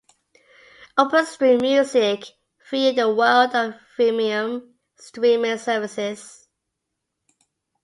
OpenStream Music: Freeing the world of "freemium" streaming services.